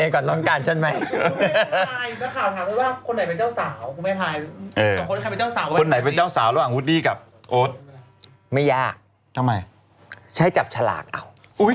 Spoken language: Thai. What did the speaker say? คนไหนไปเจ้าสาว